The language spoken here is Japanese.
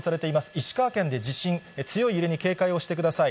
石川県で地震、強い揺れに警戒をしてください。